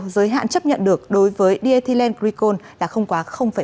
giới hạn chấp nhận được đối với d thelengritcon là không quá một